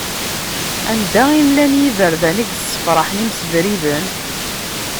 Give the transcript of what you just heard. Anida i llan yiberdan i yessefraḥen imsebriden.